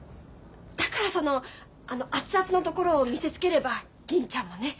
だからその熱々のところを見せつければ銀ちゃんもね。